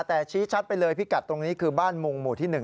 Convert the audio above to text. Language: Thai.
แต่ชี้ชัดไปเลยพิกัดตรงนี้คือบ้านมุงหมู่ที่๑